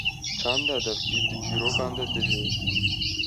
çanda devkî di çîrokan de dije.